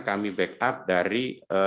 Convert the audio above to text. kami backup dari